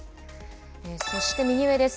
そして右上です。